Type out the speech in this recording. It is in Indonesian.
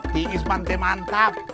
tiis mantai mantap